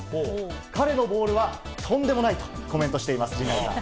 彼のボールはとんでもないとコメントしています、陣内さん。